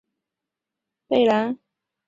科尔贝兰。